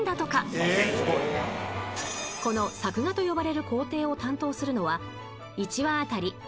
［この作画と呼ばれる工程を担当するのは］